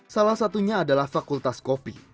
salah satunya adalah fakultas kopi